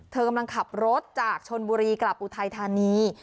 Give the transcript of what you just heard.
กำลังขับรถจากชนบุรีกลับอุทัยธานี